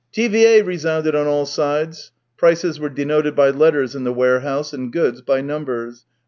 " T. V. A. !" resounded on all sides (prices were denoted by letters in the warehouse and goods by numbers).